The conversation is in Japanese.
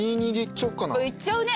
いっちゃうね